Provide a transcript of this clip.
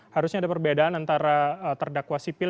harusnya ada perbedaan antara terdakwa sipil